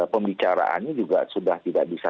pembicaraannya juga sudah tidak bisa